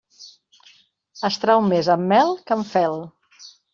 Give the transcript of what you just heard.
Es trau més amb mel que amb fel.